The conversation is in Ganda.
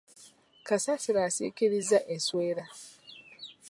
Kasasiro asikiriza enswera.